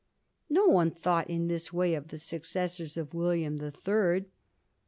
No one thought in this way of the successors of William the Third.